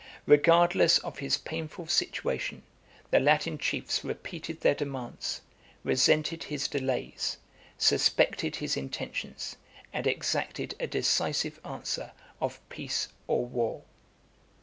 Regardless of his painful situation, the Latin chiefs repeated their demands, resented his delays, suspected his intentions, and exacted a decisive answer of peace or war.